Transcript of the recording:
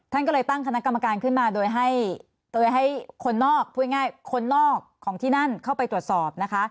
ท่านก็เลยตั้งคณะกรรมการขึ้นมาโดยให้คนนอกของที่นั่นเข้าไปตรวจสอบ